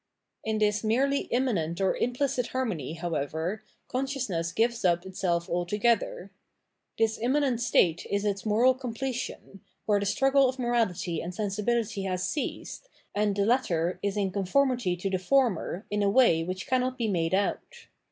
In this merely immanent or implicit harmony, how ever, consciousness gives up itself altogether. This im manent state is its moral completion, where the struggle of morality and sensibility has ceased, and the latter is in conformity to the former in a way which cannot be made out.